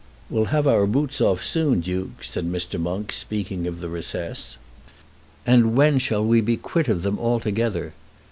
"We'll have our boots off soon, Duke," said Mr. Monk, speaking of the recess. "And when shall we be quit of them altogether?